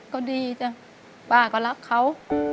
ก็ดีจ้ะป้าก็รักเขา